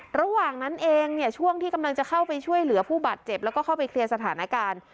ระหว่างนั้นเองเนี่ยช่วงที่กำลังจะเข้าไปช่วยเหลือผู้บาดเจ็บแล้วก็เข้าไปเคลียร์สถานการณ์